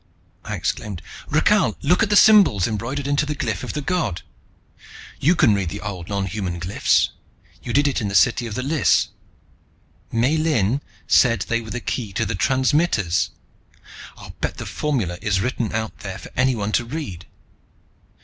I exclaimed. "Rakhal, look at the symbols embroidered into the glyph of the God! You can read the old nonhuman glyphs. You did it in the city of The Lisse. Miellyn said they were the key to the transmitters! I'll bet the formula is written out there for anyone to read!